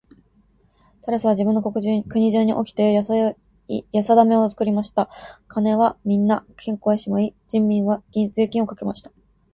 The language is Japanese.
タラスは自分の国中におきてやさだめを作りました。金はみんな金庫へしまい、人民には税金をかけました。